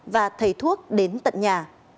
và thầy thuốc đến tận nhà